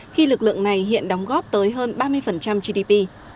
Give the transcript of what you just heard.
khi lực lượng này hiện đóng góp tới hơn ba mươi gdp